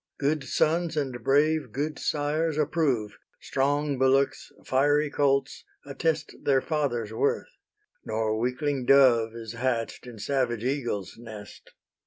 Good sons and brave good sires approve: Strong bullocks, fiery colts, attest Their fathers' worth, nor weakling dove Is hatch'd in savage eagle's nest.